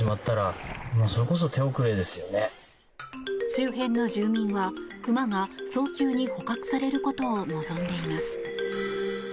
周辺の住民は熊が早急に捕獲されることを望んでいます。